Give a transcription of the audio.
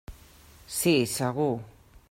Sí, segur.